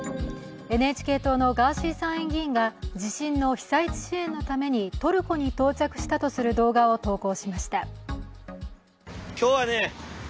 ＮＨＫ党のガーシー参院議員が地震の被災地支援のためにトルコに到着したとする動画を投稿しました。